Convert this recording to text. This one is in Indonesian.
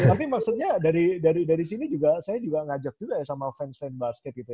tapi maksudnya dari sini saya juga ngajak juga ya sama fans fan basket gitu ya